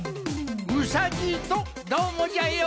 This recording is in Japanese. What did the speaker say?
うさじいとどーもじゃよ。